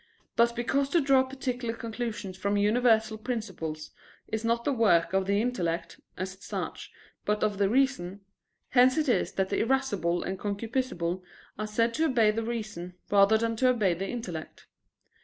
But because to draw particular conclusions from universal principles is not the work of the intellect, as such, but of the reason: hence it is that the irascible and concupiscible are said to obey the reason rather than to obey the intellect.